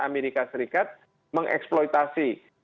amerika serikat mengeksploitasi